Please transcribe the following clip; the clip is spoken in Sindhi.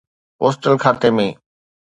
پوسٽل کاتي ۾